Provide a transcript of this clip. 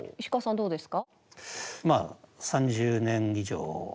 どうですか？